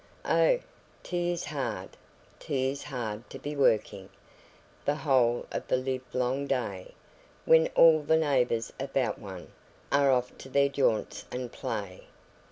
Oh! 'tis hard, 'tis hard to be working The whole of the live long day, When all the neighbours about one Are off to their jaunts and play.